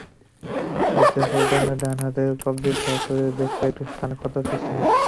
এতে সুলতানের ডান হাতের কবজিসহ শরীরের বেশ কয়েকটি স্থানে ক্ষতের সৃষ্টি হয়।